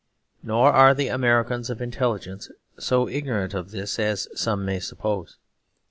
Nor are Americans of intelligence so ignorant of this as some may suppose.